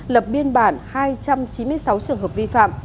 lập biên bản hai trăm chín mươi sáu trường hợp vi phạm